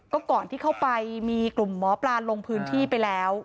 ก็ก่อนที่เข้าไปมีกลุ่มหมอปลาลงพื้นที่ไปแล้ว